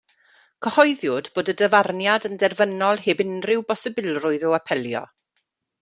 Cyhoeddwyd bod y dyfarniad yn derfynol heb unrhyw bosibilrwydd o apelio.